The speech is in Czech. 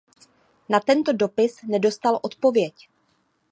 Na tento dopis nedostal odpověď.